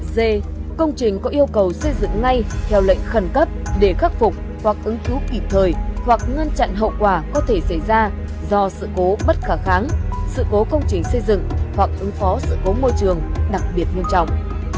d công trình có yêu cầu xây dựng ngay theo lệnh khẩn cấp để khắc phục hoặc ứng cứu kịp thời hoặc ngăn chặn hậu quả có thể xảy ra do sự cố bất khả kháng sự cố công trình xây dựng hoặc ứng phó sự cố môi trường đặc biệt nghiêm trọng